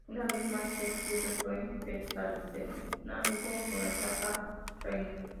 Una vez más el cierre fue en Quetzaltenango, con la etapa reina.